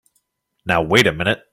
Now wait a minute!